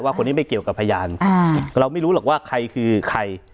คนนี้ไม่เกี่ยวกับพยานเราไม่รู้หรอกว่าใครคือใคร